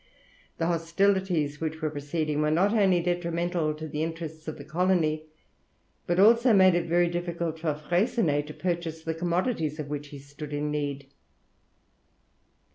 The hostilities which were proceeding were not only detrimental to the interests of the colony, but also made it very difficult for Freycinet to purchase the commodities of which he stood in need.